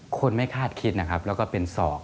คนไม่คาดคิดนะครับแล้วก็เป็นศอก